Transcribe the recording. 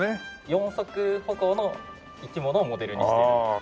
四足歩行の生き物をモデルにしてる。